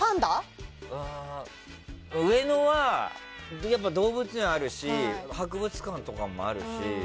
上野は動物園あるし博物館とかもあるし。